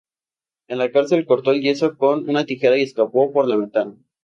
En la cárcel cortó el yeso con una tijera y escapó por la ventana.